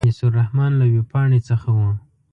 انیس الرحمن له وېبپاڼې څخه و.